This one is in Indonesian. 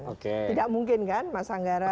oke tidak mungkin kan mas anggara